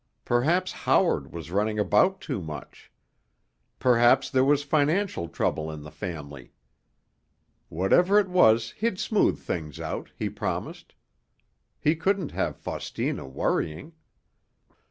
Perhaps Howard was running about too much. Perhaps there was financial trouble in the family. Whatever it was, he'd smooth things out, he promised. He couldn't have Faustina worrying.